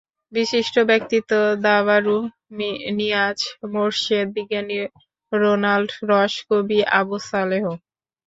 বিশিষ্ট ব্যক্তিত্ব— দাবারু নিয়াজ মোরশেদ, বিজ্ঞানী রোনাল্ড রস, কবি আবু সালেহ।